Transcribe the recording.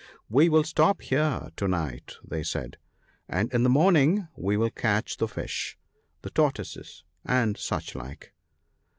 " We will stop here to night," • they said, i "and in the morning we will catch the fish, the tortoises, and such like."